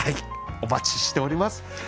お待ちしております。